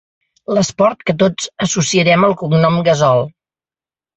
L'esport que tots associarem al cognom Gasol.